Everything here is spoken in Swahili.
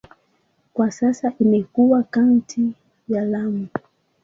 Kwa sasa imekuwa kaunti ya Lamu.